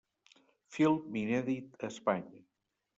Film inèdit a Espanya.